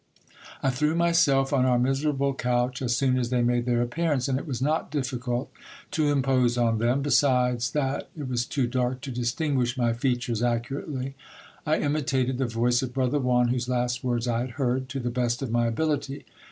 I threw myself on our miserable couch as soon as they made their appearance; and it was not difficult to impose on them. Besides that it was too dark to distinguish my features accurately, I imitated the voice of brother Juan, whose last words I had heard, to the best of my ability.